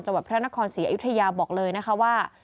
พระนครศรีอยุธยาบอกเลยนะคะว่า